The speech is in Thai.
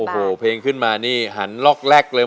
โอ้โหเพลงขึ้นมานี่หันล็อกแรกเลย